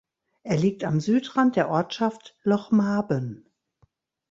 Er liegt am Südrand der Ortschaft Lochmaben.